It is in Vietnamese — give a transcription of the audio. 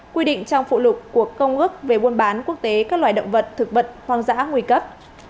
quy định trong phụ lục của công ước về buôn bán quốc tế các loài động vật thực vật hoang dã nguy cấp